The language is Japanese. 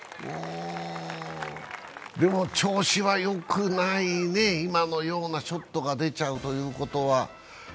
でも調子はよくないね、今のようなショットが出ちゃうということは。